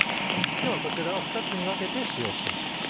今日はこちらを２つに分けて使用していきます。